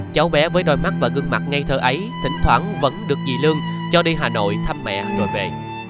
cháu bé với đôi mắt và gương mặt ngay thời ấy tỉnh thoảng vẫn được dì lương cho đi hà nội thăm mẹ rồi về